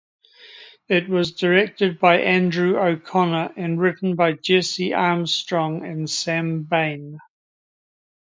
It was directed by Andrew O'Connor and written by Jesse Armstrong and Sam Bain.